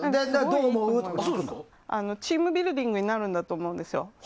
チームビルディングになるんだと思うんですよ。